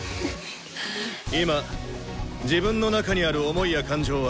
今自分の中にある想いや感情は思う